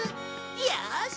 よし！